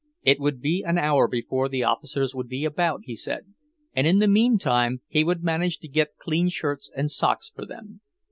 It would be an hour before the officers would be about, he said, and in the meantime he would manage to get clean shirts and socks for them.